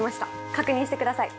確認してください。